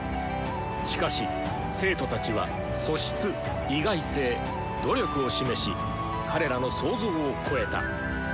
しかし生徒たちは素質意外性努力を示し彼らの想像を超えた。